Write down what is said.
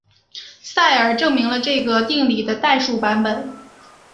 塞尔证明了这个定理的代数版本。